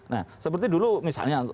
nah seperti dulu misalnya